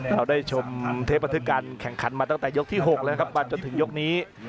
เราได้ชมเทปะทึกการแข่งขันมาตั้งแต่ยกที่๖แล้วครับมาจนถึงยกนี้